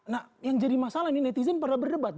nah yang jadi masalah ini netizen pada berdebat